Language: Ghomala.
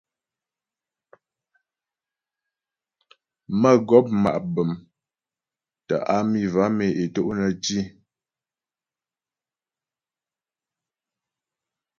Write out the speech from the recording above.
Mə́gɔp ma' bəm tə́ á mi vam e é to' nə́ tî.